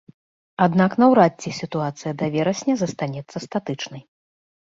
Аднак наўрад ці сітуацыя да верасня застанецца статычнай.